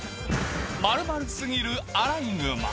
〇〇すぎるアライグマ。